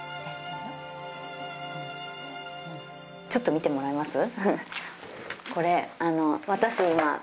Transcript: ちょっと見てもらえます？